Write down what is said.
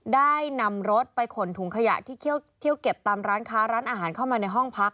ได้นำรถไปขนถุงขยะที่เที่ยวเก็บตามร้านค้าร้านอาหารเข้ามาในห้องพัก